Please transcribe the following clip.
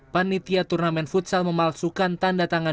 panitia turnamen futsal memalsukan tanda tangan